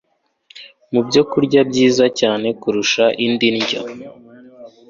mu byokurya byiza cyane kurusha indi ndyo